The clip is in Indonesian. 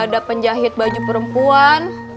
ada penjahit baju perempuan